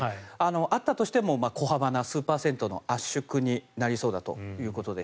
あったとしても小幅な数パーセントの圧縮になりそうだということです。